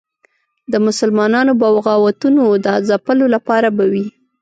د مسلمانانو بغاوتونو د ځپلو لپاره به وي.